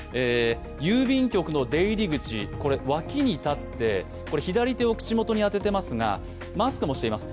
郵便局の出入り口、脇に立って、左手を口元に当ててますが、マスクもしています。